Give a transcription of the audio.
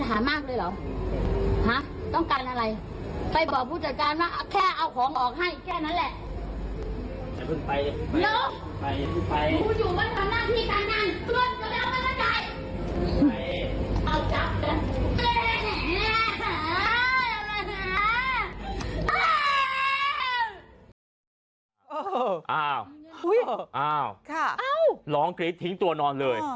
อ้าวร้องกรี๊ดทิ้งตัวนอนเลย